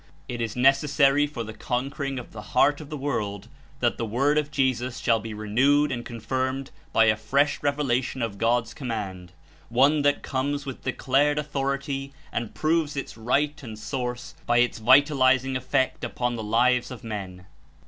It Is necessary for the con quering of the heart of the world that the Word of Jesus shall be renewed and confirmed by a fresh revelation of God's Command, one that comes with declared authority and proves Its Right and Source by its vitalizing effect upon the lives of men.